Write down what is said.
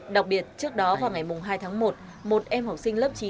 đặc biệt trước đó vào ngày hai tháng một một em học sinh lớp chín